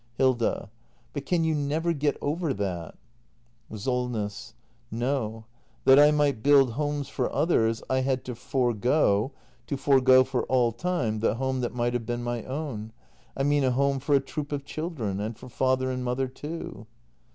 Hilda. But can you never get over that ? SOLNESS. No. That I might build homes for others, I had to forego — to forego for all time — the home that might have been my own. I mean a home for a troop of children — and for father and mother, too.